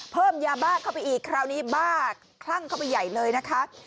เพิ่มยาบ้าเข้าไปอีกคราวนี้บ้าคลั่งเข้าไปใหญ่เลยนะคะ